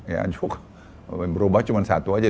ya cukup berubah cuma satu aja